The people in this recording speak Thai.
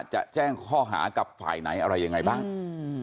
จะแจ้งข้อหากับฝ่ายไหนอะไรยังไงบ้าง